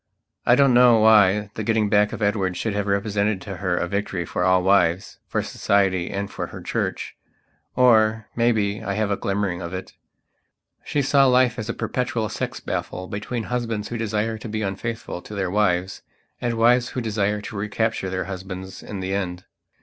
I don't know why the getting back of Edward should have represented to her a victory for all wives, for Society and for her Church. Or, maybe, I have a glimmering of it. She saw life as a perpetual sex battle between husbands who desire to be unfaithful to their wives, and wives who desire to recapture their husbands in the end.